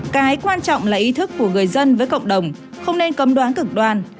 cái quan trọng là ý thức của người dân với cộng đồng không nên cấm đoán cực đoan